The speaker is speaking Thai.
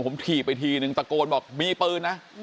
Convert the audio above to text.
ผมถีบไปทีนึงตะโกนบอกมีปืนนะ